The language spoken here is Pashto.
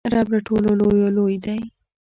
رب له ټولو لویو لوی دئ.